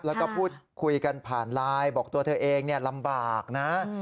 แล้วก็พูดคุยกันผ่านลายบอกตัวเองเนี่ยลำบากนะ